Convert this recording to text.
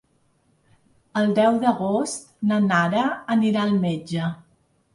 El deu d'agost na Nara anirà al metge.